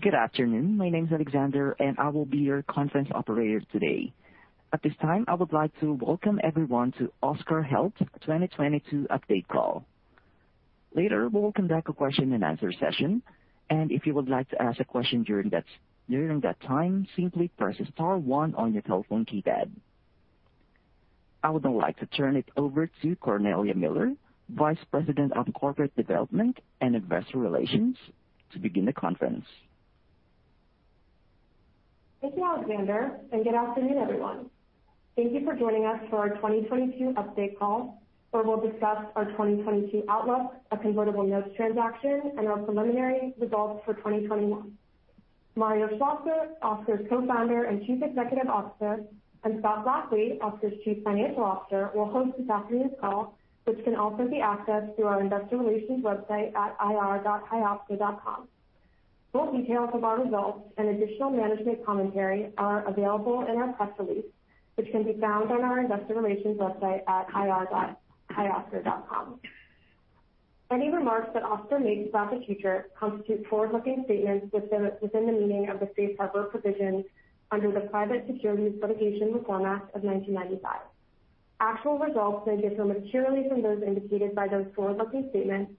Good afternoon. My name is Alexander, and I will be your conference operator today. At this time, I would like to welcome everyone to Oscar Health 2022 update call. Later, we'll conduct a question-and-answer session, and if you would like to ask a question during that time, simply press star one on your telephone keypad. I would now like to turn it over to Cornelia Miller, Vice President of Corporate Development and Investor Relations, to begin the conference. Thank you, Alexander, and good afternoon, everyone. Thank you for joining us for our 2022 update call, where we'll discuss our 2022 outlook, our convertible notes transaction, and our preliminary results for 2021. Mario Schlosser, Oscar's Co-Founder and Chief Executive Officer, and Scott Blackley, Oscar's Chief Financial Officer, will host this afternoon's call, which can also be accessed through our investor relations website at ir.hioscar.com. Full details of our results and additional management commentary are available in our press release, which can be found on our investor relations website at ir.hioscar.com. Any remarks that Oscar makes about the future constitute forward-looking statements within the meaning of the Safe Harbor provisions under the Private Securities Litigation Reform Act of 1995. Actual results may differ materially from those indicated by those forward-looking statements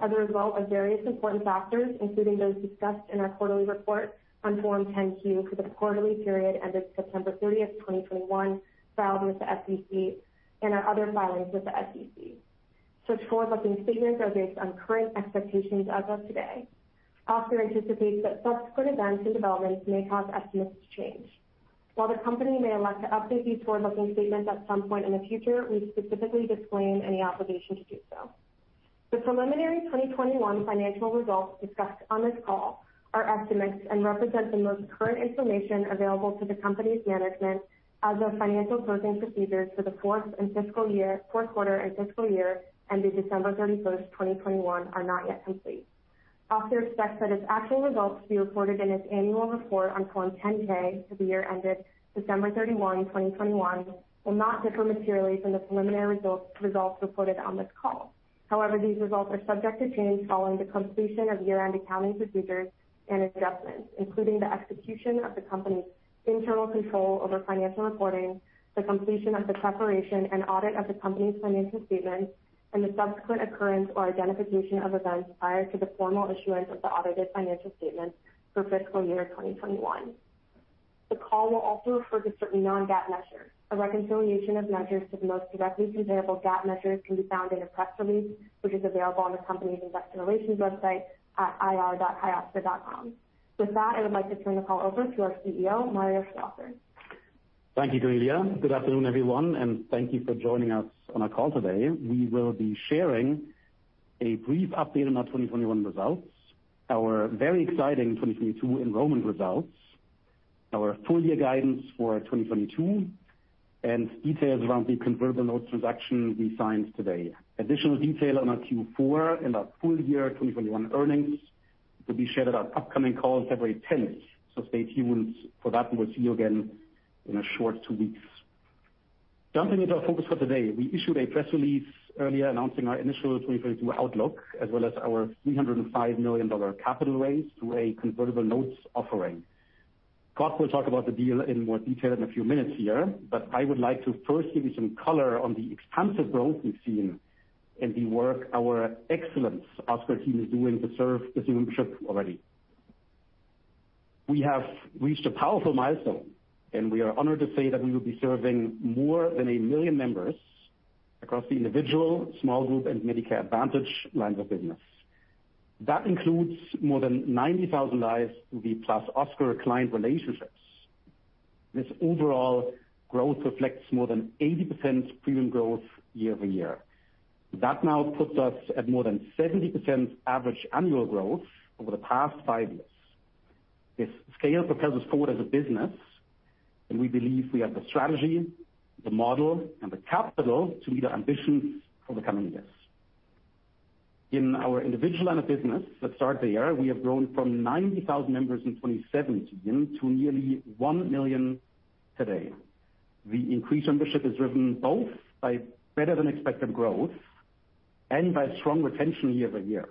as a result of various important factors, including those discussed in our quarterly report on Form 10-Q for the quarterly period ended September 30th, 2021, filed with the SEC and our other filings with the SEC. Such forward-looking statements are based on current expectations as of today. Oscar anticipates that subsequent events and developments may cause estimates to change. While the company may elect to update these forward-looking statements at some point in the future, we specifically disclaim any obligation to do so. The preliminary 2021 financial results discussed on this call are estimates and represent the most current information available to the company's management as our financial closing procedures for the fourth quarter and fiscal year ended December 31st, 2021, are not yet complete. Oscar expects that its actual results to be reported in its annual report on Form 10-K for the year ended December 31, 2021, will not differ materially from the preliminary results reported on this call. However, these results are subject to change following the completion of year-end accounting procedures and adjustments, including the execution of the company's internal control over financial reporting, the completion of the preparation and audit of the company's financial statements, and the subsequent occurrence or identification of events prior to the formal issuance of the audited financial statements for fiscal year 2021. The call will also refer to certain non-GAAP measures. A reconciliation of measures to the most directly comparable GAAP measures can be found in a press release, which is available on the company's investor relations website at ir.hioscar.com. With that, I would like to turn the call over to our CEO, Mario Schlosser. Thank you, Cornelia. Good afternoon, everyone, and thank you for joining us on our call today. We will be sharing a brief update on our 2021 results, our very exciting 2022 enrollment results, our full year guidance for 2022, and details around the convertible notes transaction we signed today. Additional detail on our Q4 and our full year 2021 earnings will be shared at our upcoming call February 10. Stay tuned for that, and we'll see you again in a short two weeks. Jumping into our focus for today, we issued a press release earlier announcing our initial 2022 outlook, as well as our $305 million capital raise through a convertible notes offering. Scott will talk about the deal in more detail in a few minutes here, but I would like to first give you some color on the expansive growth we've seen and the work our excellent Oscar team is doing to serve this membership already. We have reached a powerful milestone, and we are honored to say that we will be serving more than one million members across the individual, small group, and Medicare Advantage lines of business. That includes more than 90,000 lives through the +Oscar client relationships. This overall growth reflects more than 80% premium growth year-over-year. That now puts us at more than 70% average annual growth over the past five years. This scale propels us forward as a business, and we believe we have the strategy, the model, and the capital to meet our ambitions for the coming years. In our individual line of business, let's start there. We have grown from 90,000 members in 2017 to nearly one million today. The increase in membership is driven both by better-than-expected growth and by strong retention year-over-year.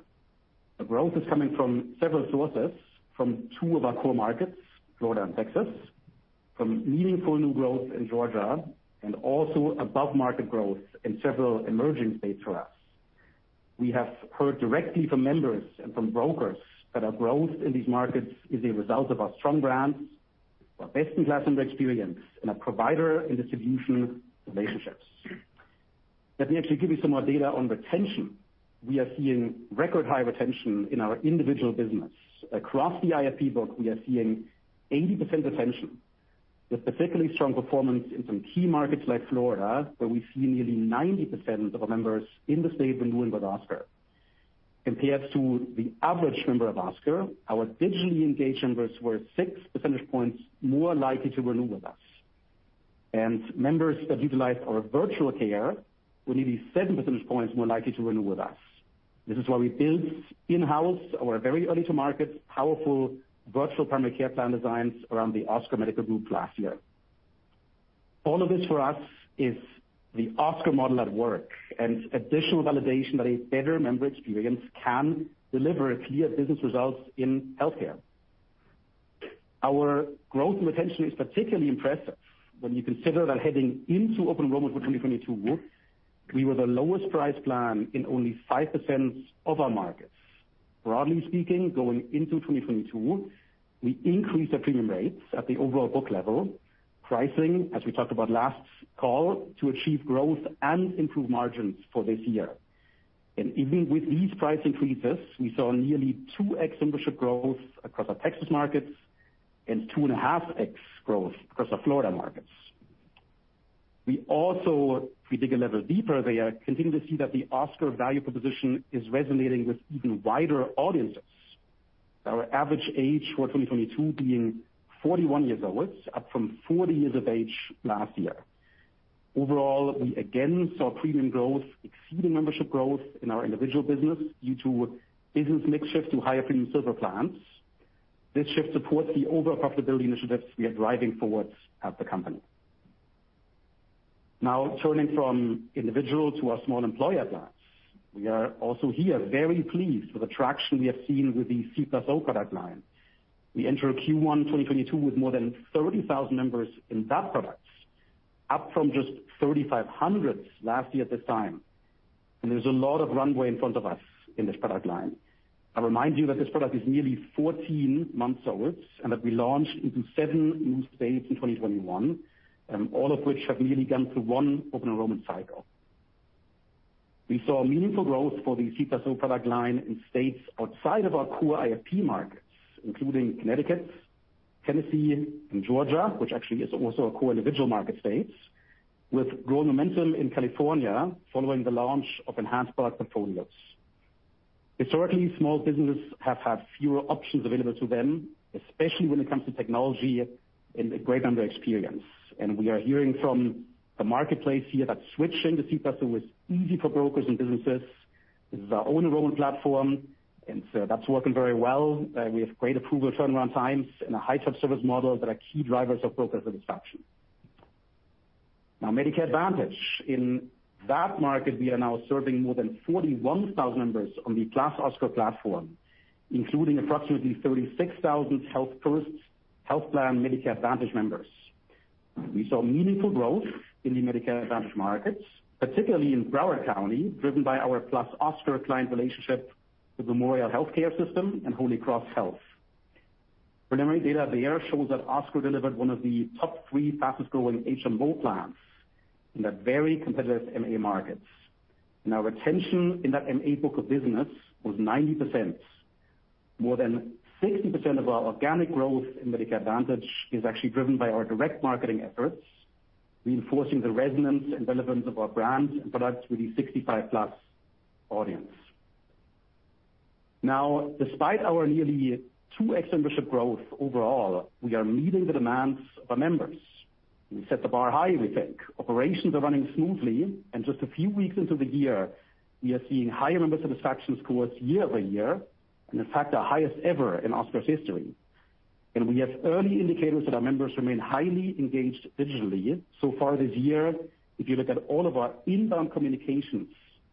The growth is coming from several sources, from two of our core markets, Florida and Texas, from meaningful new growth in Georgia, and also above-market growth in several emerging states for us. We have heard directly from members and from brokers that our growth in these markets is a result of our strong brand, our best-in-class member experience, and our provider and distribution relationships. Let me actually give you some more data on retention. We are seeing record high retention in our individual business. Across the IFP book, we are seeing 80% retention, with particularly strong performance in some key markets like Florida, where we see nearly 90% of our members in the state renewing with Oscar. Compared to the average member of Oscar, our digitally engaged members were 6 percentage points more likely to renew with us. Members that utilized our Virtual Care were nearly 7 percentage points more likely to renew with us. This is why we built in-house our very early-to-market, powerful virtual primary care plan designs around the Oscar Medical Group last year. All of this for us is the Oscar model at work and additional validation that a better member experience can deliver clear business results in healthcare. Our growth and retention is particularly impressive when you consider that heading into open enrollment for 2022, we were the lowest price plan in only 5% of our markets. Broadly speaking, going into 2022, we increased our premium rates at the overall book level, pricing, as we talked about last call, to achieve growth and improve margins for this year. Even with these price increases, we saw nearly 2x membership growth across our Texas markets and 2.5x growth across our Florida markets. We also, if we dig a little deeper there, continue to see that the Oscar value proposition is resonating with even wider audiences, our average age for 2022 being 41 years old, up from 40 years of age last year. Overall, we again saw premium growth exceeding membership growth in our individual business due to business mix shift to higher premium silver plans. This shift supports the overall profitability initiatives we are driving forward at the company. Now, turning from individual to our small employer plans. We are also here very pleased with the traction we have seen with the C+O product line. We entered Q1 2022 with more than 30,000 members in that product, up from just 3,500 last year at this time, and there's a lot of runway in front of us in this product line. I remind you that this product is nearly 14 months old, and that we launched into seven new states in 2021, all of which have nearly gone through one open enrollment cycle. We saw meaningful growth for the C+O product line in states outside of our core IFP markets, including Connecticut, Tennessee, and Georgia, which actually is also a core individual market state, with growing momentum in California following the launch of enhanced product portfolios. Historically, small businesses have had fewer options available to them, especially when it comes to technology and a great member experience. We are hearing from the marketplace here that switching to C+O is easy for brokers and businesses. This is our own enrollment platform, and so that's working very well. We have great approval turnaround times and a high touch service model that are key drivers of broker satisfaction. Now, Medicare Advantage. In that market, we are now serving more than 41,000 members on the +Oscar platform, including approximately 36,000 Health First Health Plans Medicare Advantage members. We saw meaningful growth in the Medicare Advantage markets, particularly in Broward County, driven by our +Oscar client relationship with Memorial Healthcare System and Holy Cross Health. Preliminary data there shows that Oscar delivered one of the top three fastest growing HMO plans in that very competitive MA market. Our retention in that MA book of business was 90%. More than 60% of our organic growth in Medicare Advantage is actually driven by our direct marketing efforts, reinforcing the resonance and relevance of our brands and products with the 65+ audience. Now, despite our nearly 2x membership growth overall, we are meeting the demands of our members. We set the bar high, we think. Operations are running smoothly, and just a few weeks into the year, we are seeing higher member satisfaction scores year-over-year, and in fact, our highest ever in Oscar's history. We have early indicators that our members remain highly engaged digitally. So far this year, if you look at all of our inbound communications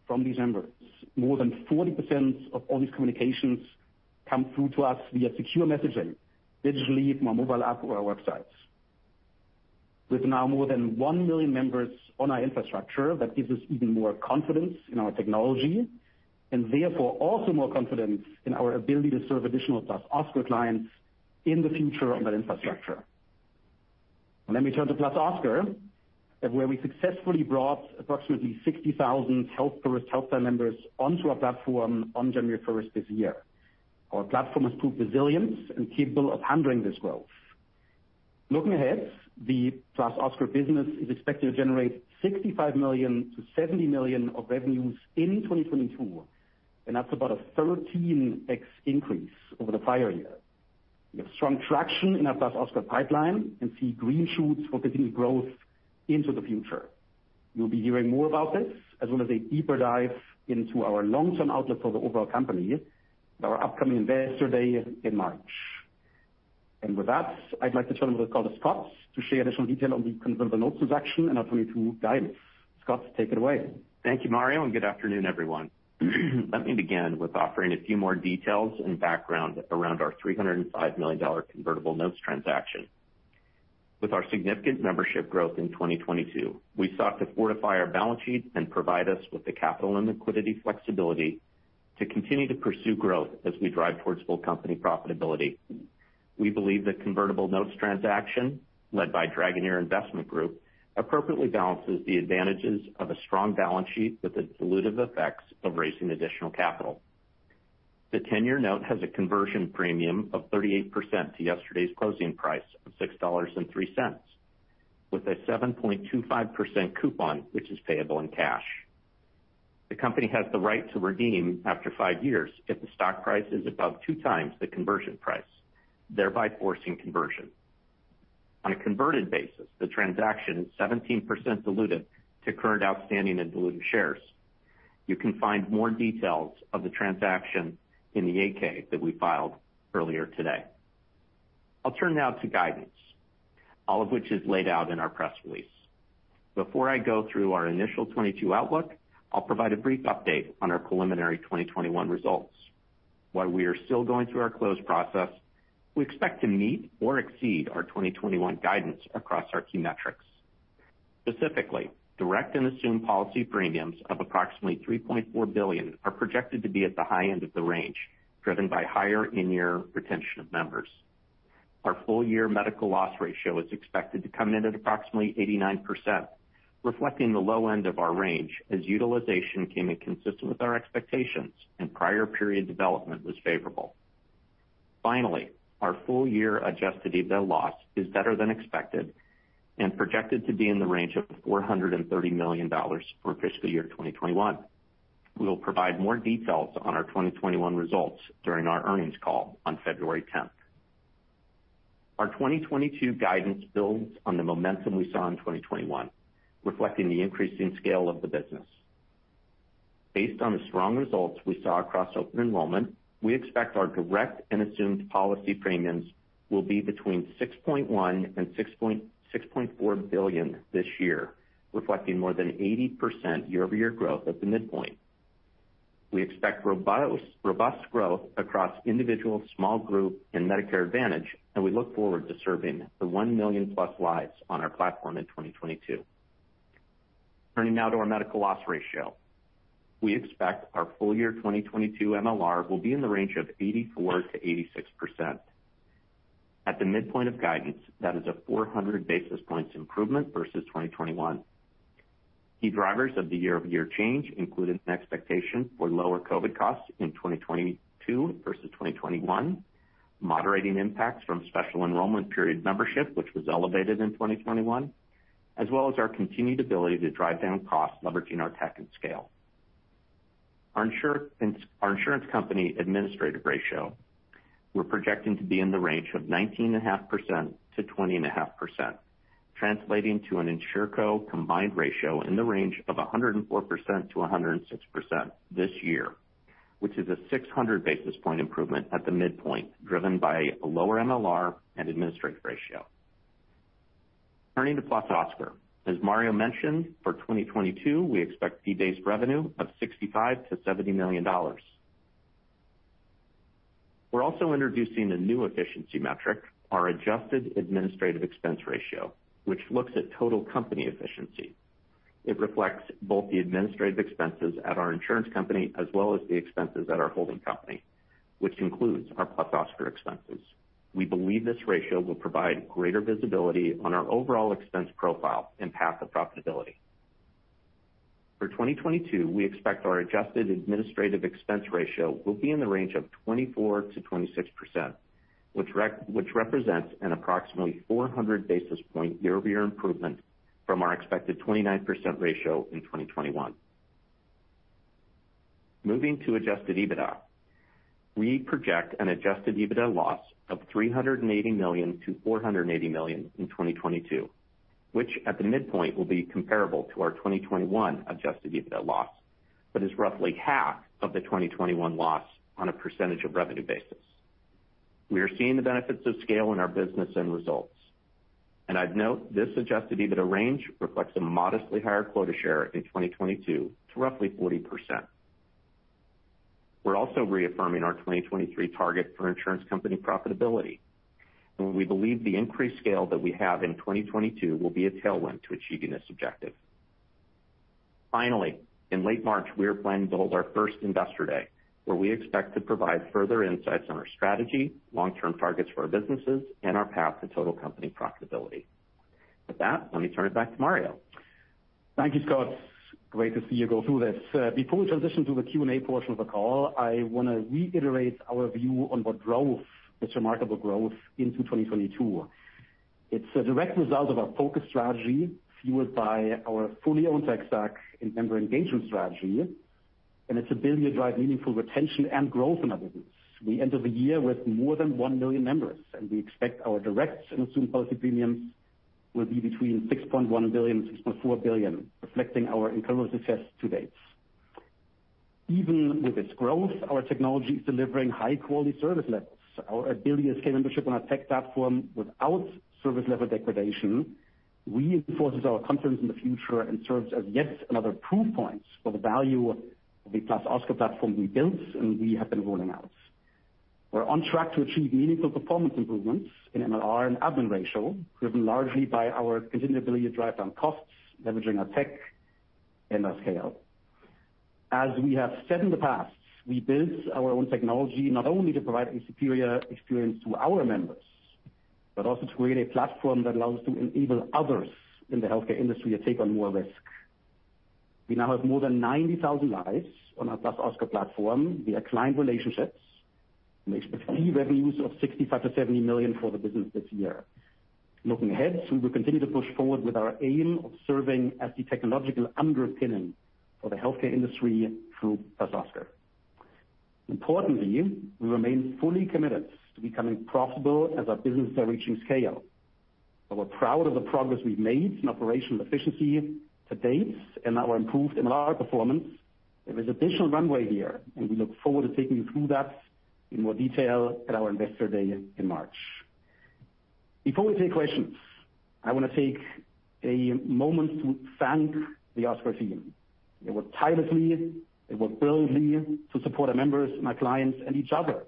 from these members, more than 40% of all these communications come through to us via secure messaging, digitally from our mobile app or our websites. With now more than one million members on our infrastructure, that gives us even more confidence in our technology, and therefore also more confidence in our ability to serve additional +Oscar clients in the future on that infrastructure. Let me turn to +Oscar, where we successfully brought approximately 60,000 Health First Health Plans members onto our platform on January first this year. Our platform has proved resilient and capable of handling this growth. Looking ahead, the +Oscar business is expected to generate $65 million-$70 million of revenues in 2022, and that's about a 13x increase over the prior year. We have strong traction in our +Oscar pipeline and see green shoots for continued growth into the future. You'll be hearing more about this, as well as a deeper dive into our long-term outlook for the overall company at our upcoming Investor Day in March. With that, I'd like to turn over the call to Scott to share additional detail on the convertible notes transaction and our 2022 guidance. Scott, take it away. Thank you, Mario, and good afternoon, everyone. Let me begin with offering a few more details and background around our $305 million convertible notes transaction. With our significant membership growth in 2022, we sought to fortify our balance sheet and provide us with the capital and liquidity flexibility to continue to pursue growth as we drive towards full company profitability. We believe the convertible notes transaction, led by Dragoneer Investment Group, appropriately balances the advantages of a strong balance sheet with the dilutive effects of raising additional capital. The 10-year note has a conversion premium of 38% to yesterday's closing price of $6.03, with a 7.25% coupon, which is payable in cash. The company has the right to redeem after five years if the stock price is above 2x the conversion price, thereby forcing conversion. On a converted basis, the transaction is 17% dilutive to current outstanding and dilutive shares. You can find more details of the transaction in the 8-K that we filed earlier today. I'll turn now to guidance, all of which is laid out in our press release. Before I go through our initial 2022 outlook, I'll provide a brief update on our preliminary 2021 results. While we are still going through our close process, we expect to meet or exceed our 2021 guidance across our key metrics. Specifically, direct and assumed policy premiums of approximately $3.4 billion are projected to be at the high end of the range, driven by higher in-year retention of members. Our full-year medical loss ratio is expected to come in at approximately 89%, reflecting the low end of our range as utilization came in consistent with our expectations and prior period development was favorable. Our full-year adjusted EBITDA loss is better than expected and projected to be in the range of $430 million for fiscal year 2021. We will provide more details on our 2021 results during our earnings call on February 10th. Our 2022 guidance builds on the momentum we saw in 2021, reflecting the increase in scale of the business. Based on the strong results we saw across open enrollment, we expect our direct and assumed policy premiums will be between $6.1 billion and $6.4 billion this year, reflecting more than 80% year-over-year growth at the midpoint. We expect robust growth across individual, small group and Medicare Advantage, and we look forward to serving the 1 million+ lives on our platform in 2022. Turning now to our medical loss ratio. We expect our full year 2022 MLR will be in the range of 84%-86%. At the midpoint of guidance, that is a 400-basis points improvement versus 2021. Key drivers of the year-over-year change include an expectation for lower COVID costs in 2022 versus 2021, moderating impacts from special enrollment period membership, which was elevated in 2021, as well as our continued ability to drive down costs leveraging our tech and scale. Our insurance company administrative ratio, we're projecting to be in the range of 19.5%-20.5%, translating to an InsuranceCo combined ratio in the range of 104%-106% this year, which is a 600-basis point improvement at the midpoint, driven by a lower MLR and administrative ratio. Turning to +Oscar. As Mario mentioned, for 2022, we expect fee-based revenue of $65 million-$70 million. We're also introducing a new efficiency metric, our Adjusted Administrative Expense Ratio, which looks at total company efficiency. It reflects both the administrative expenses at our insurance company as well as the expenses at our holding company, which includes our +Oscar expenses. We believe this ratio will provide greater visibility on our overall expense profile and path to profitability. For 2022, we expect our Adjusted Administrative Expense Ratio will be in the range of 24%-26%, which represents an approximately 400 basis point year-over-year improvement from our expected 29% ratio in 2021. Moving to Adjusted EBITDA. We project an Adjusted EBITDA loss of $380 million-$480 million in 2022, which at the midpoint will be comparable to our 2021 Adjusted EBITDA loss, but is roughly half of the 2021 loss on a percentage of revenue basis. We are seeing the benefits of scale in our business and results. I'd note this Adjusted EBITDA range reflects a modestly higher quota share in 2022 to roughly 40%. We're also reaffirming our 2023 target for insurance company profitability, and we believe the increased scale that we have in 2022 will be a tailwind to achieving this objective. Finally, in late March, we are planning to hold our first Investor Day, where we expect to provide further insights on our strategy, long-term targets for our businesses, and our path to total company profitability. With that, let me turn it back to Mario. Thank you, Scott. Great to see you go through this. Before we transition to the Q&A portion of the call, I wanna reiterate our view on what drove this remarkable growth into 2022. It's a direct result of our focus strategy, fueled by our fully owned tech stack and member engagement strategy, and its ability to drive meaningful retention and growth in our business. We end the year with more than one million members, and we expect our direct and assumed policy premiums will be between $6.1 billion and $6.4 billion, reflecting our incredible success to date. Even with this growth, our technology is delivering high-quality service levels. Our ability to scale membership on our tech platform without service level degradation, reinforces our confidence in the future and serves as yet another proof point for the value of the +Oscar platform we built, and we have been rolling out. We're on track to achieve meaningful performance improvements in MLR and admin ratio, driven largely by our continued ability to drive down costs, leveraging our tech and our scale. As we have said in the past, we built our own technology not only to provide a superior experience to our members, but also to create a platform that allows us to enable others in the healthcare industry to take on more risk. We now have more than 90,000 lives on our +Oscar platform via client relationships, and we expect fee revenues of $65 million-$70 million for the business this year. Looking ahead, we will continue to push forward with our aim of serving as the technological underpinning for the healthcare industry through +Oscar. Importantly, we remain fully committed to becoming profitable as our businesses are reaching scale. We're proud of the progress we've made in operational efficiency to date and our improved MLR performance. There is additional runway here, and we look forward to taking you through that in more detail at our Investor Day in March. Before we take questions, I want to take a moment to thank the Oscar team. They work tirelessly. They work boldly to support our members, my clients, and each other.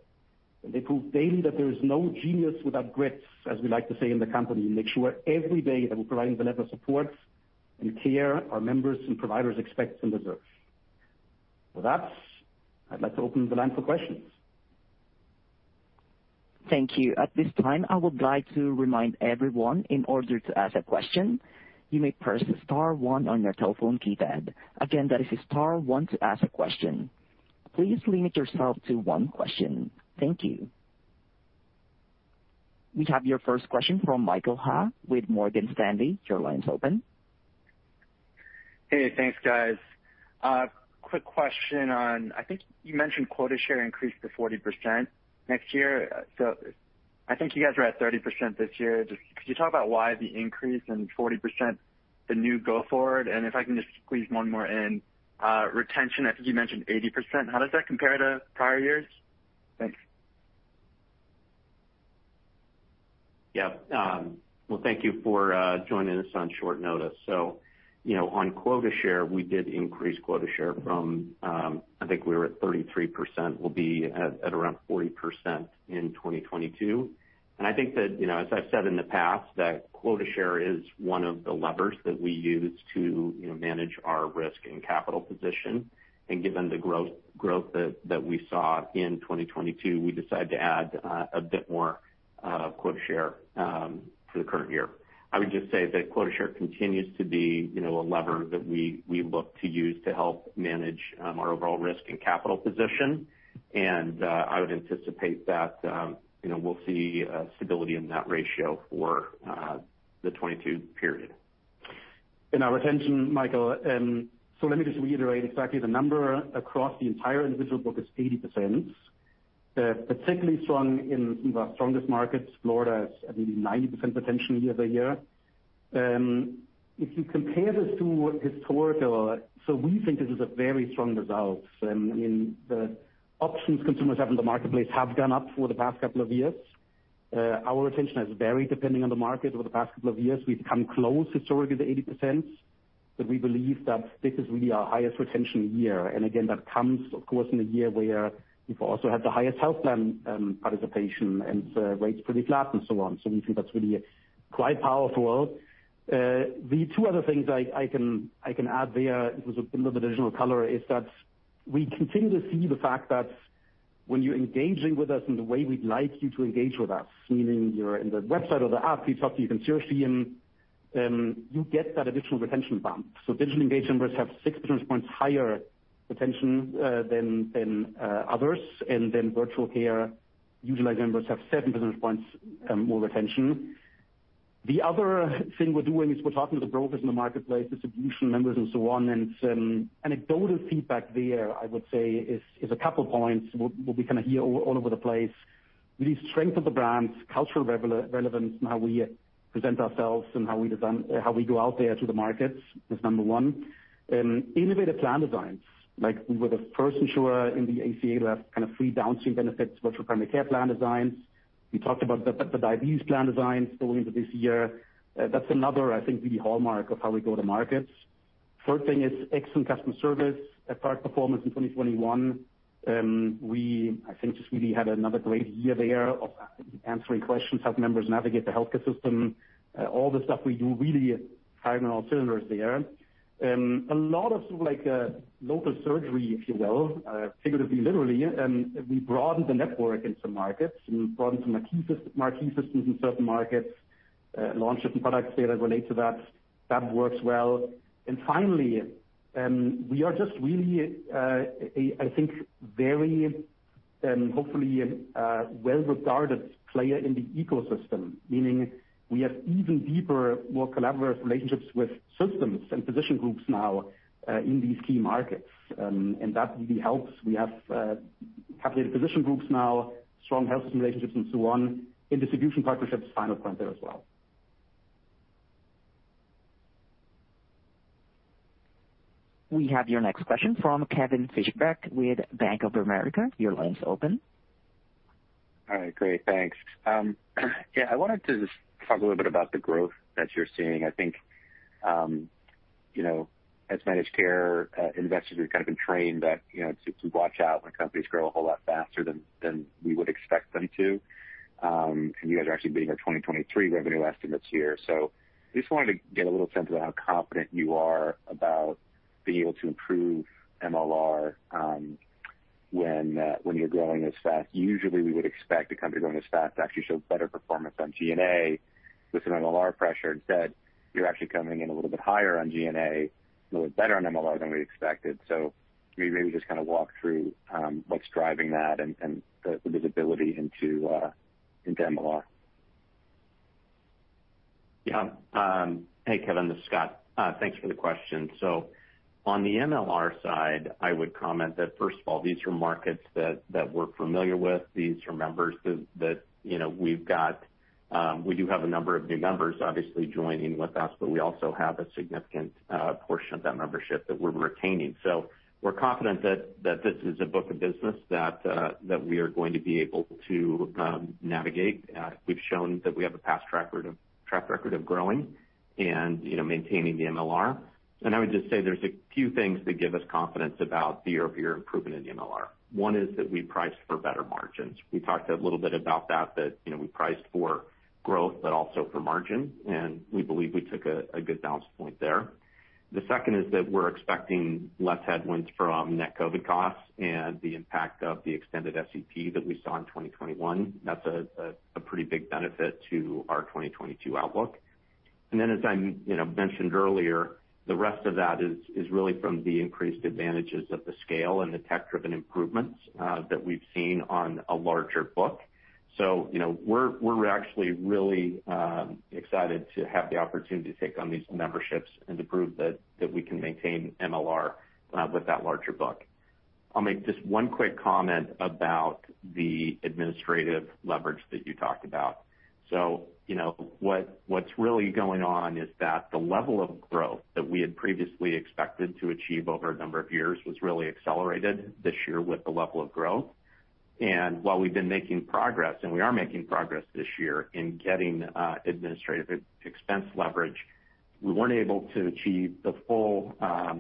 They prove daily that there is no genius without grit, as we like to say in the company, and make sure every day that we're providing the level of support and care our members and providers expect and deserve. With that, I'd like to open the line for questions. Thank you. At this time, I would like to remind everyone; in order to ask a question, you may press star one on your telephone keypad. Again, that is star one to ask a question. Please limit yourself to one question. Thank you. We have your first question from Michael Ha with Morgan Stanley. Your line is open. Hey, thanks, guys. Quick question on, I think you mentioned quota share increased to 40% next year. I think you guys are at 30% this year. Just could you talk about why the increase to 40%, the new go forward? If I can just squeeze one more in, retention, I think you mentioned 80%. How does that compare to prior years? Thanks. Yeah. Well, thank you for joining us on short notice. You know, on quota share, we did increase quota share from, I think, 33%. We'll be at around 40% in 2022. I think that, you know, as I've said in the past, that quota share is one of the levers that we use to, you know, manage our risk and capital position. Given the growth that we saw in 2022, we decided to add a bit more quota share for the current year. I would just say that quota share continues to be, you know, a lever that we look to use to help manage our overall risk and capital position. I would anticipate that, you know, we'll see stability in that ratio for the 2022 period. Our retention, Michael, so let me just reiterate exactly the number across the entire individual book is 80%. Particularly strong in some of our strongest markets, Florida has, I believe, 90% retention year-over-year. If you compare this to historical, so we think this is a very strong result. I mean, the options consumers have in the marketplace have gone up for the past couple of years. Our retention has varied depending on the market over the past couple of years. We've come close historically to 80%, but we believe that this is really our highest retention year. Again, that comes, of course, in a year where we've also had the highest health plan participation and rates pretty flat and so on. We think that's really quite powerful. The two other things I can add there in terms of a bit of additional color is that we continue to see the fact that when you're engaging with us in the way we'd like you to engage with us, meaning you're in the website or the app, you talk to your concierge team, you get that additional retention bump. Digital engagement members have 6 percentage points higher retention than others. Then virtual care utilized members have 7 percentage points more retention. The other thing we're doing is we're talking to the brokers in the marketplace, distribution members and so on. Anecdotal feedback there, I would say, is a couple points what we kind of hear all over the place. Real strength of the brands, cultural relevance in how we present ourselves and how we go out there to the markets is number one. Innovative plan designs, like we were the first insurer in the ACA to have kind of free downstream benefits, Virtual Primary Care plan designs. We talked about the diabetes plan designs going into this year. That's another, I think, real hallmark of how we go to markets. Third thing is excellent customer service. On par performance in 2021, we, I think, just really had another great year there of answering questions, helping members navigate the healthcare system, all the stuff we do really firing on all cylinders there. A lot of sort of like, local surgery, if you will, figuratively, literally. We broadened the network in some markets. We broadened some marquee systems in certain markets, launched different products there that relate to that. That works well. Finally, we are just really, a, I think, very, hopefully a well-regarded player in the ecosystem, meaning we have even deeper, more collaborative relationships with systems and physician groups now, in these key markets. That really helps. We have cultivated physician groups now, strong health system relationships and so on, and distribution partnerships, final point there as well. We have your next question from Kevin Fischbeck with Bank of America. Your line is open. All right, great. Thanks. Yeah, I wanted to just talk a little bit about the growth that you're seeing. I think, you know, as managed care investors, we've kind of been trained that, you know, to watch out when companies grow a whole lot faster than we would expect them to. You guys are actually beating our 2023 revenue estimates here. I just wanted to get a little sense of how confident you are about being able to improve MLR when you're growing this fast. Usually, we would expect a company growing this fast to actually show better performance on G&A with some MLR pressure. Instead, you're actually coming in a little bit higher on G&A, a little bit better on MLR than we expected. Can you maybe just kind of walk through what's driving that and the visibility into MLR? Yeah. Hey, Kevin, this is Scott. Thanks for the question. On the MLR side, I would comment that first of all, these are markets that we're familiar with. These are members that, you know, we've got. We do have a number of new members obviously joining with us, but we also have a significant portion of that membership that we're retaining. We're confident that this is a book of business that we are going to be able to navigate. We've shown that we have a past track record of growing and, you know, maintaining the MLR. I would just say there's a few things that give us confidence about the year-over-year improvement in the MLR. One is that we priced for better margins. We talked a little bit about that, you know, we priced for growth but also for margin, and we believe we took a good balance point there. The second is that we're expecting less headwinds from net COVID costs and the impact of the extended SEP that we saw in 2021. That's a pretty big benefit to our 2022 outlook. As I mentioned earlier, the rest of that is really from the increased advantages of the scale and the tech-driven improvements that we've seen on a larger book. You know, we're actually really excited to have the opportunity to take on these memberships and to prove that we can maintain MLR with that larger book. I'll make just one quick comment about the administrative leverage that you talked about. You know, what's really going on is that the level of growth that we had previously expected to achieve over a number of years was really accelerated this year with the level of growth. While we've been making progress, and we are making progress this year in getting administrative expense leverage, we weren't able to achieve the full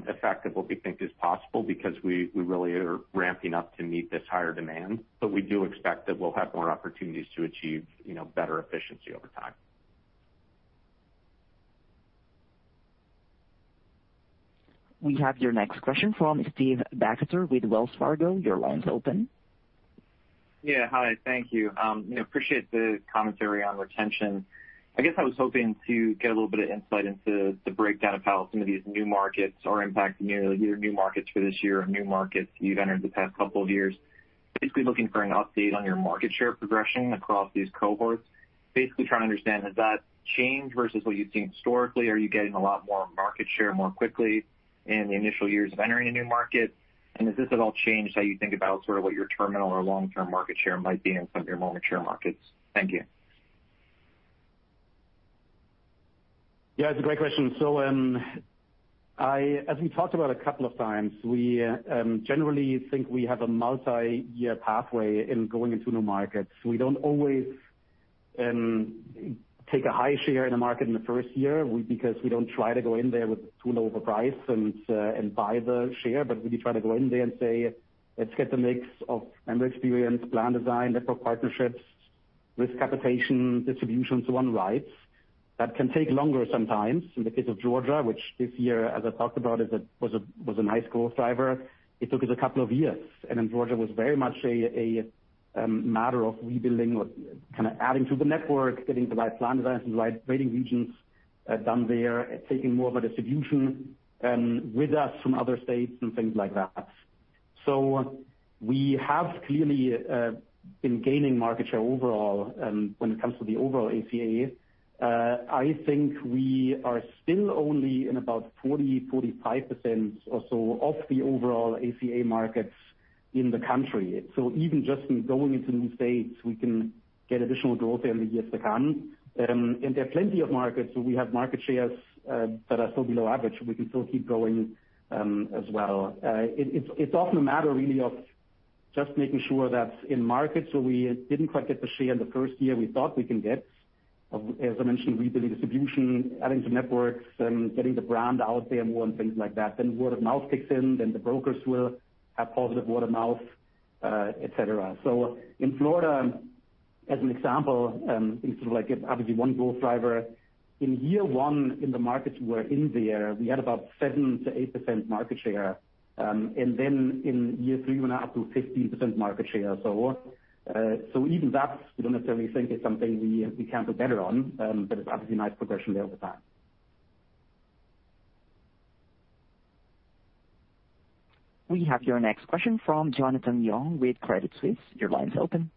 effect of what we think is possible because we really are ramping up to meet this higher demand. We do expect that we'll have more opportunities to achieve, you know, better efficiency over time. We have your next question from Stephen Baxter with Wells Fargo. Your line's open. Yeah. Hi. Thank you. You know, I appreciate the commentary on retention. I guess I was hoping to get a little bit of insight into the breakdown of how some of these new markets are impacting your new markets for this year or new markets you've entered the past couple of years. Basically, looking for an update on your market share progression across these cohorts. Basically, trying to understand, has that changed versus what you've seen historically? Are you getting a lot more market share more quickly in the initial years of entering a new market? Has this at all changed how you think about sort of what your terminal or long-term market share might be in some of your markets? Thank you. Yeah, it's a great question. As we talked about a couple of times, we generally think we have a multi-year pathway in going into new markets. We don't always take a high share in the market in the first year. Because we don't try to go in there with too low of a price and buy the share, but we do try to go in there and say, "Let's get the mix of member experience, plan design, network partnerships, risk capitation, distribution to run rights." That can take longer sometimes. In the case of Georgia, which this year, as I talked about, was a nice growth driver, it took us a couple of years. In Georgia was very much a matter of rebuilding or kinda adding to the network, getting the right plan designs and the right rating regions done there, taking more of a distribution with us from other states, and things like that. We have clearly been gaining market share overall when it comes to the overall ACA. I think we are still only in about 45% or so of the overall ACA markets in the country. Even just in going into new states, we can get additional growth there in the years to come. There are plenty of markets where we have market shares that are still below average. We can still keep growing as well. It's often a matter really of just making sure that in markets where we didn't quite get the share in the first year, we thought we can get, as I mentioned, rebuilding distribution, adding some networks, getting the brand out there more and things like that. Word of mouth kicks in, then the brokers will have positive word of mouth, et cetera. In Florida, as an example, in sort of like obviously one growth driver, in year one in the markets we're in there, we had about 7%-8% market share. In year 3, we're now up to 15% market share. Even that we don't necessarily think is something we can do better on, but it's obviously a nice progression there over time. We have your next question from Jonathan Yong with Credit Suisse. Your line's open.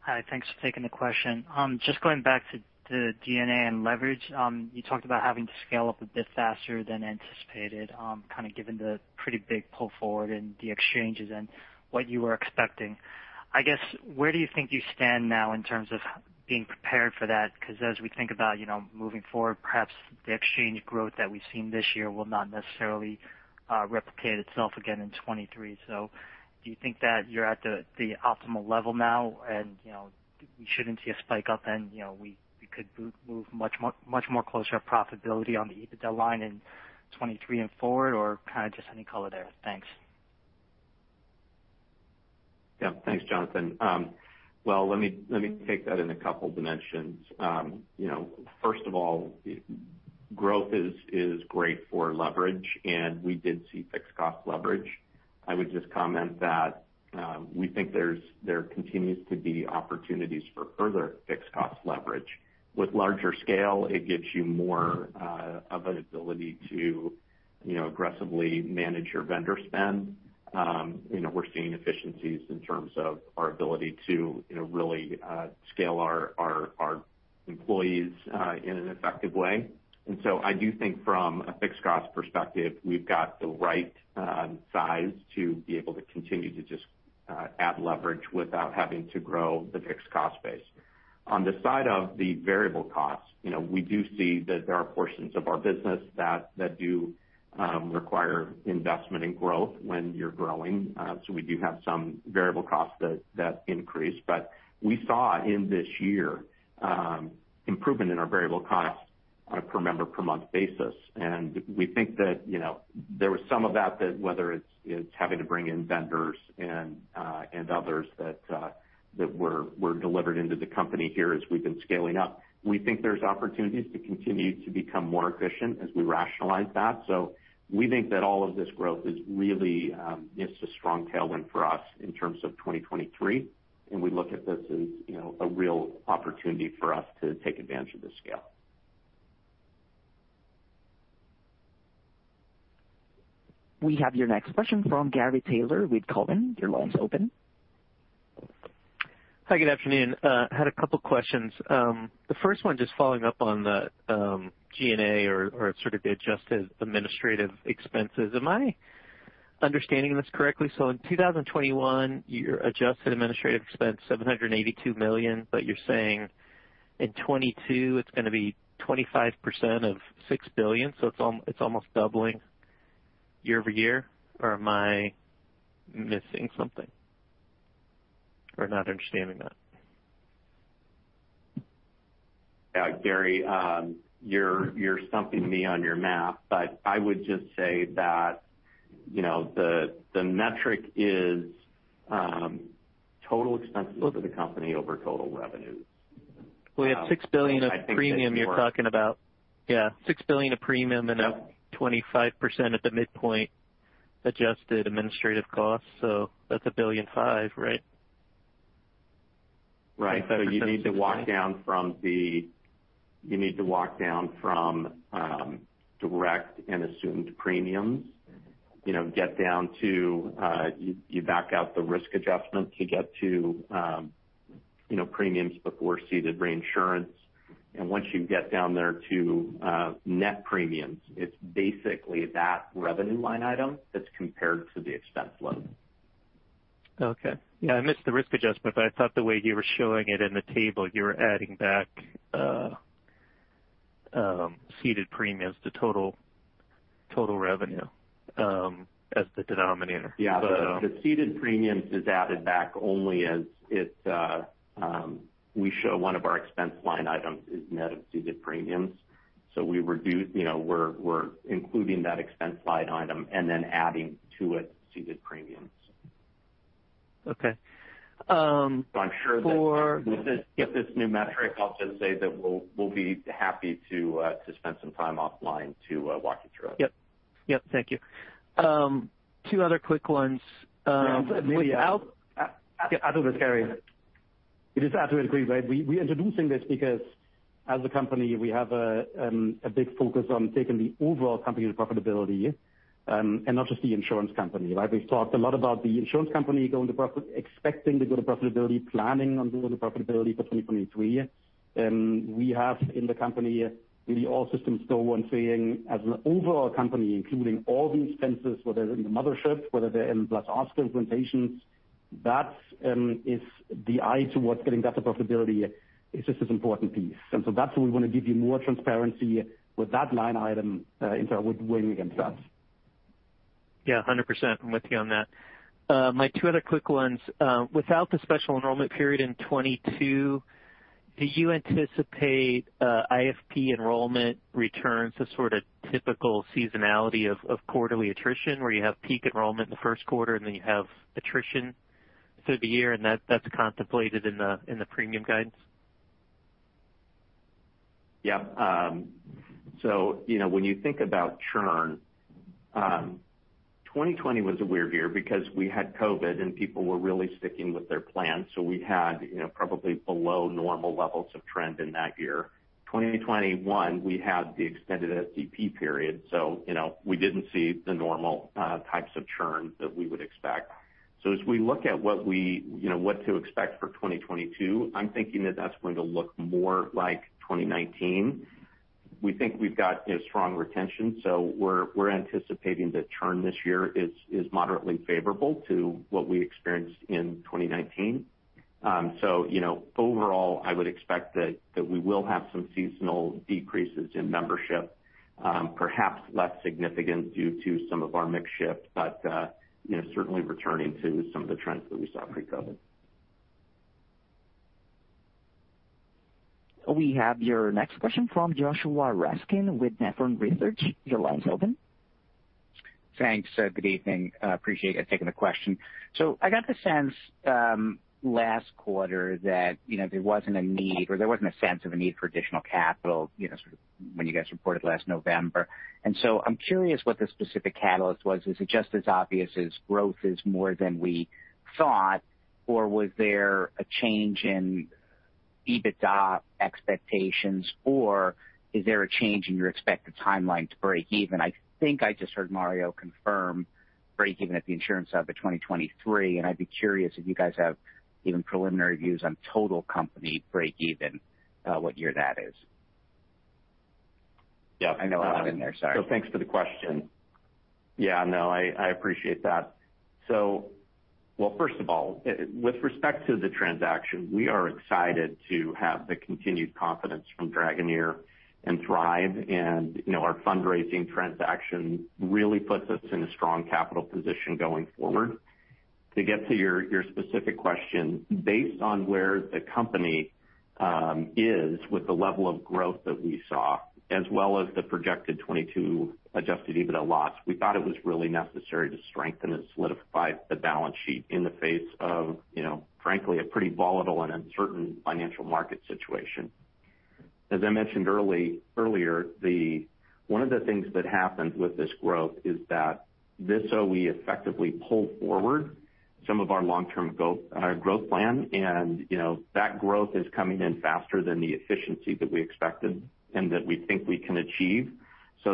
Hi. Thanks for taking the question. Just going back to G&A and leverage. You talked about having to scale up a bit faster than anticipated, kind of given the pretty big pull forward in the exchanges and what you were expecting. I guess, where do you think you stand now in terms of being prepared for that? 'Cause as we think about, you know, moving forward, perhaps the exchange growth that we've seen this year will not necessarily replicate itself again in 2023. So, do you think that you're at the optimal level now and, you know, we shouldn't see a spike up, and, you know, we could move much more closer to profitability on the EBITDA line in 2023 and forward? Or kinda just any color there. Thanks. Yeah. Thanks, Jonathan. Well, let me take that in a couple dimensions. First of all, growth is great for leverage, and we did see fixed cost leverage. I would just comment that we think there continues to be opportunities for further fixed cost leverage. With larger scale, it gives you more of an ability to aggressively manage your vendor spend. We're seeing efficiencies in terms of our ability to really scale our employees in an effective way. I do think from a fixed cost perspective, we've got the right size to be able to continue to just add leverage without having to grow the fixed cost base. On the side of the variable costs, you know, we do see that there are portions of our business that do require investment and growth when you're growing. We do have some variable costs that increase. We saw in this year improvement in our variable costs on a per member per month basis. We think that, you know, there was some of that whether it's having to bring in vendors and others that were delivered into the company here as we've been scaling up. We think there's opportunities to continue to become more efficient as we rationalize that. We think that all of this growth is really a strong tailwind for us in terms of 2023, and we look at this as, you know, a real opportunity for us to take advantage of this scale. We have your next question from Gary Taylor with Cowen. Your line's open. Hi, good afternoon. Had a couple questions. The first one just following up on the G&A or sort of the Adjusted Administrative Expenses. Am I understanding this correctly? In 2021, your Adjusted Administrative Expense $782 million, but you're saying in 2022 it's gonna be 25% of $6 billion, so it's almost doubling year-over-year, or am I missing something or not understanding that? Yeah. Gary, you're stumping me on your math, but I would just say that, you know, the metric is total expenses of the company over total revenues. I think that you are- We have $6 billion of premium you're talking about. Yeah, $6 billion of premium and now 25% at the midpoint adjusted administrative costs, so that's $1.5 billion, right? Right. You need to walk down from direct and assumed premiums, you know, get down to you back out the risk adjustment to get to you know, premiums before ceded reinsurance. Once you get down there to net premiums, it's basically that revenue line item that's compared to the expense load. Okay. Yeah, I missed the risk adjustment, but I thought the way you were showing it in the table, you were adding back, ceded premiums to total revenue, as the denominator. So- Yeah. The ceded premiums is added back only in that we show one of our expense line items is net of ceded premiums. You know, we're including that expense line item and then adding to it ceded premiums. Okay. I'm sure that with this new metric, I'll just say that we'll be happy to spend some time offline to walk you through it. Yep, thank you. Two other quick ones. without- We're introducing this because as a company, we have a big focus on taking the overall company profitability, and not just the insurance company, right? We've talked a lot about the insurance company going to profitability, expecting to go to profitability, planning on going to profitability for 2023. We have in the company really all systems go on saying as an overall company, including all the expenses, whether they're in the mothership, whether they're in +Oscar implementations, that is the eye towards getting better profitability is just this important piece. That's why we wanna give you more transparency with that line item in terms of weighing against us. Yeah, 100% I'm with you on that. My two other quick ones. Without the Special Enrollment Period in 2022, do you anticipate IFP enrollment returns the sort of typical seasonality of quarterly attrition, where you have peak enrollment in the first quarter and then you have attrition through the year, and that's contemplated in the premium guidance? Yeah. So, you know, when you think about churn, 2020 was a weird year because we had COVID and people were really sticking with their plans, so we had, you know, probably below normal levels of churn in that year. 2021, we had the extended SEP period, so, you know, we didn't see the normal types of churn that we would expect. As we look at what we, you know, what to expect for 2022, I'm thinking that that's going to look more like 2019. We think we've got, you know, strong retention, so we're anticipating the churn this year is moderately favorable to what we experienced in 2019. You know, overall, I would expect that we will have some seasonal decreases in membership, perhaps less significant due to some of our mix shift, but, you know, certainly returning to some of the trends that we saw pre-COVID. We have your next question from Joshua Raskin with Nephron Research. Your line's open. Thanks. Good evening. Appreciate you taking the question. So, I got the sense last quarter that, you know, there wasn't a need or there wasn't a sense of a need for additional capital, you know, sort of when you guys reported last November. I'm curious what the specific catalyst was. Is it just as obvious as growth is more than we thought or was there a change in EBITDA expectations, or is there a change in your expected timeline to breakeven? I think I just heard Mario confirm breakeven at the insurance side by 2023, and I'd be curious if you guys have even preliminary views on total company breakeven, what year that is. Yeah. I know I'm in there. Sorry. Thanks for the question. Yeah. No, I appreciate that. Well, first of all, with respect to the transaction, we are excited to have the continued confidence from Dragoneer and Thrive. You know, our fundraising transaction really puts us in a strong capital position going forward. To get to your specific question, based on where the company is with the level of growth that we saw, as well as the projected 2022 Adjusted EBITDA loss, we thought it was really necessary to strengthen and solidify the balance sheet in the face of, you know, frankly, a pretty volatile and uncertain financial market situation. As I mentioned earlier, one of the things that happened with this growth is that this OE effectively pulled forward some of our long-term growth plan, and, you know, that growth is coming in faster than the efficiency that we expected and that we think we can achieve.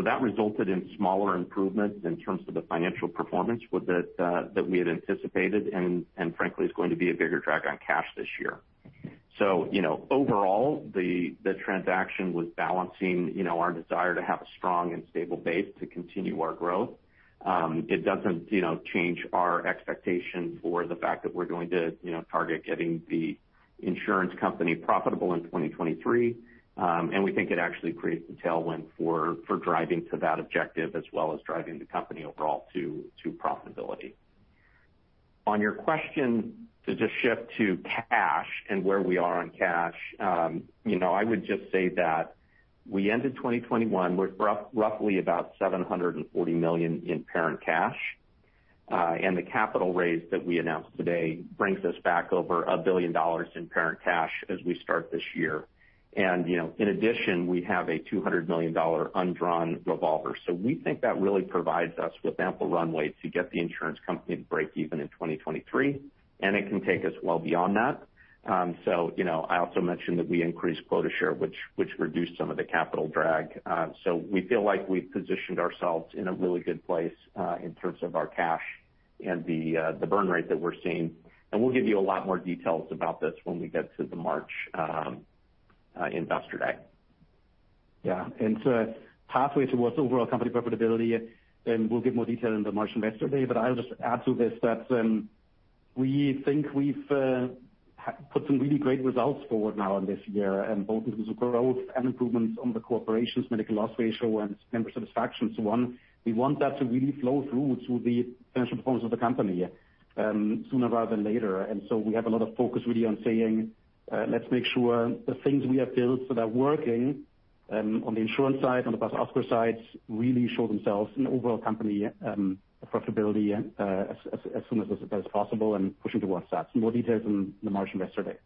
That resulted in smaller improvements in terms of the financial performance with it that we had anticipated, and frankly, is going to be a bigger drag on cash this year. You know, overall, the transaction was balancing our desire to have a strong and stable base to continue our growth. It doesn't, you know, change our expectation for the fact that we're going to target getting the insurance company profitable in 2023. We think it actually creates a tailwind for driving to that objective as well as driving the company overall to profitability. On your question to just shift to cash and where we are on cash, you know, I would just say that we ended 2021 with roughly about $740 million in parent cash. The capital raise that we announced today brings us back over $1 billion in parent cash as we start this year. You know, in addition, we have a $200 million undrawn revolver. We think that really provides us with ample runway to get the insurance company to breakeven in 2023, and it can take us well beyond that. You know, I also mentioned that we increased quota share, which reduced some of the capital drag. We feel like we've positioned ourselves in a really good place, in terms of our cash and the burn rate that we're seeing. We'll give you a lot more details about this when we get to the March Investor Day. Yeah. Pathway towards overall company profitability, and we'll give more detail in the March Investor Day, but I'll just add to this that we think we've put some really great results forward now in this year, and both in terms of growth and improvements on the corporation's medical loss ratio and member satisfaction and so on. We want that to really flow through to the financial performance of the company sooner rather than later. We have a lot of focus really on saying, let's make sure the things we have built that are working on the insurance side, on the +Oscar side, really show themselves in overall company profitability as soon as possible and pushing towards that. More details in the March Investor Day.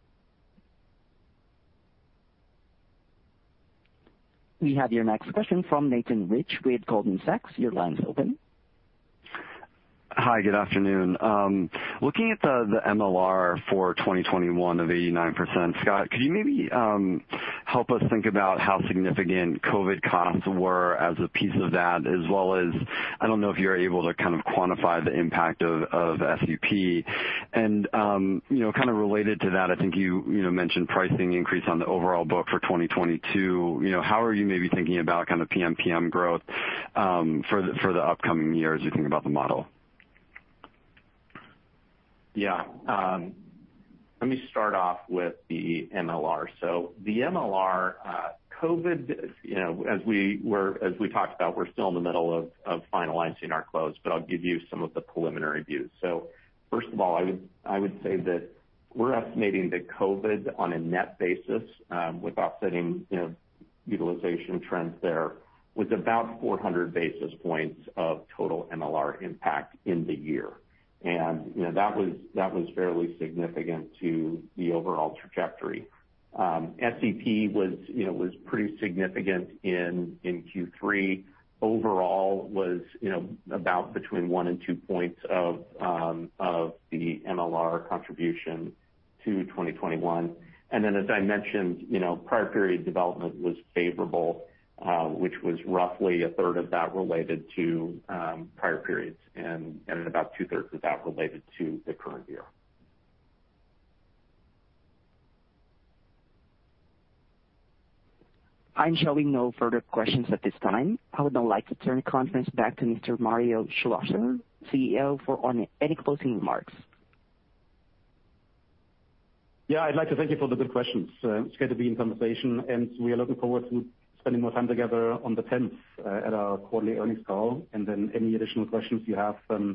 We have your next question from Nathan Rich with Goldman Sachs. Your line's open. Hi, good afternoon. Looking at the MLR for 2021 of 89%, Scott, could you maybe help us think about how significant COVID costs were as a piece of that, as well as I don't know if you're able to kind of quantify the impact of SEP? You know, kind of related to that, I think you know mentioned pricing increase on the overall book for 2022. You know, how are you maybe thinking about kind of PMPM growth for the upcoming year as you think about the model? Yeah. Let me start off with the MLR. The MLR, COVID, you know, as we talked about, we're still in the middle of finalizing our close, but I'll give you some of the preliminary views. First of all, I would say that we're estimating that COVID, on a net basis, with offsetting, you know, utilization trends there, was about 400 basis points of total MLR impact in the year. You know, that was fairly significant to the overall trajectory. SEP was pretty significant in Q3. Overall was about between one and two points of the MLR contribution to 2021. As I mentioned, you know, prior period development was favorable, which was roughly 1/3 of that related to prior periods and about 2/3 of that related to the current year. I'm showing no further questions at this time. I would now like to turn the conference back to Mr. Mario Schlosser, CEO, for any closing remarks. Yeah, I'd like to thank you for the good questions. It's great to be in conversation, and we are looking forward to spending more time together on the 10th at our quarterly earnings call, and then any additional questions you have, we'll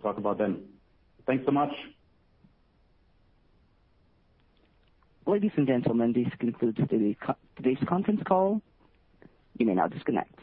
talk about then. Thanks so much. Ladies and gentlemen, this concludes today's conference call. You may now disconnect.